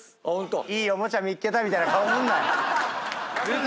いいおもちゃ見っけたみたいな顔すんなよ。